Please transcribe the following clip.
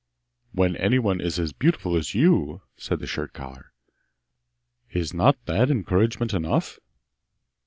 'When anyone is as beautiful as you,' said the shirt collar, 'is not that encouragement enough?